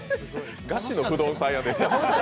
ガチの不動産屋でした。